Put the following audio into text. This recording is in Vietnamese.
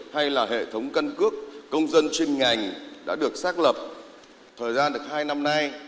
hay là hệ thống cân cước công dân chuyên ngành đã được xác lập thời gian được hai năm nay